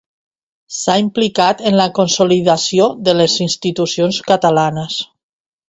S’ha implicat en la consolidació de les institucions catalanes.